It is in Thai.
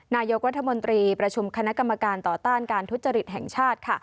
นายกรัฐมนตรีประชุมคณะกรรมการต่อต้านการทุจริตแห่งชาติ